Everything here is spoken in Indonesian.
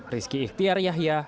rizky ikhtiar yahya